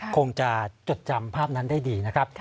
คงจะจดจำภาพนั้นได้ดีนะครับ